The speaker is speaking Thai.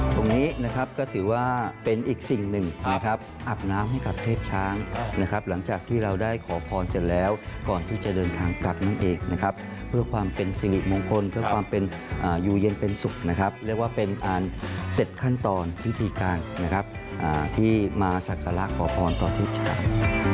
ตรงนี้นะครับก็ถือว่าเป็นอีกสิ่งหนึ่งนะครับอาบน้ำให้กับเทพช้างนะครับหลังจากที่เราได้ขอพรเสร็จแล้วก่อนที่จะเดินทางกลับนั่นเองนะครับเพื่อความเป็นสิริมงคลเพื่อความเป็นอยู่เย็นเป็นสุขนะครับเรียกว่าเป็นอันเสร็จขั้นตอนพิธีการนะครับที่มาสักการะขอพรต่อเทพช้าง